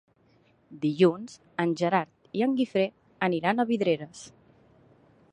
Dilluns en Gerard i en Guifré aniran a Vidreres.